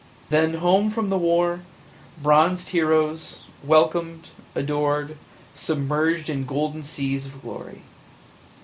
Then home from the war, bronzed heroes, welcomed, adored, submerged in golden seas of glory!